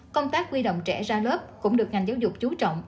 công tác quy động trẻ ra lớp cũng được ngành giáo dục chú trọng